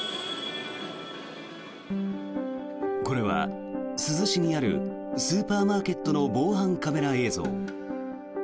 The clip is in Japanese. これは珠洲市にあるスーパーマーケットの防犯カメラ映像。